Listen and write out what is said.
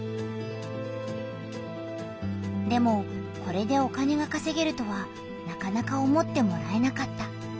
でもこれでお金がかせげるとはなかなか思ってもらえなかった。